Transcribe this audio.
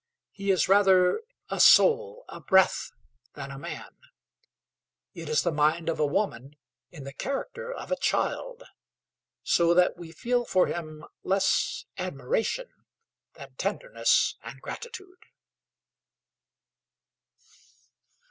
He is rather a soul, a breath, than a man. It is the mind of a woman in the character of a child, so that we feel for him less admiration than tenderness and gratitude.